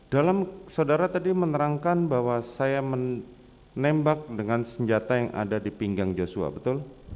dalam saudara tadi menerangkan bahwa saya menembak dengan senjata yang ada di pinggang joshua betul